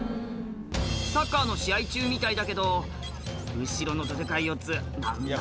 サッカーの試合中みたいだけど後ろのどデカい４つ何だ？